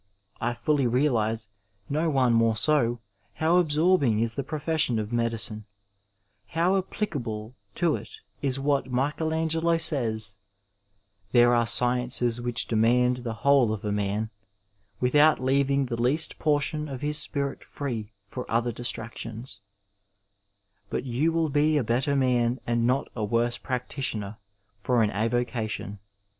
I fully realize, no one more so, how absorbing is the profession of medicine ; how applicable to it is what Michelangelo sajns :" There are sciences which demand the whole of a man, without leaving the least portion of his spirit free for other distractions "; but you will be a better man and not a worse practitioner for an avocation.